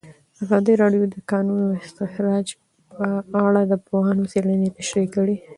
ازادي راډیو د د کانونو استخراج په اړه د پوهانو څېړنې تشریح کړې.